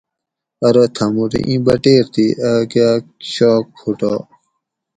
ارو تھہ موٹو ایں بٹیر تھی آک آک شاک پھوٹا